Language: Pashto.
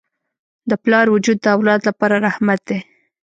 د پلار وجود د اولاد لپاره رحمت دی.